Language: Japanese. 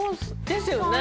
ですよね。